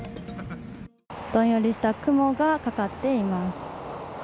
どんよりした雲がかかっています。